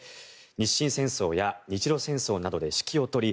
日清戦争や日露戦争などで指揮を執り